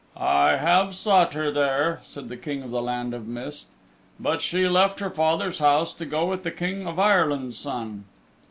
"I have sought her there," said the King of the Land of Mist, "but she left her father's house to go with the King of Ireland's Son."